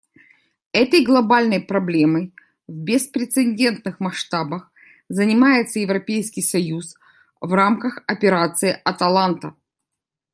Этой глобальной проблемой в беспрецедентных масштабах занимается Европейский союз в рамках Операции «Аталанта».